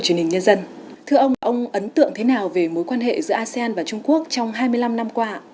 truyền hình nhân dân thưa ông ông ấn tượng thế nào về mối quan hệ giữa asean và trung quốc trong hai mươi năm năm qua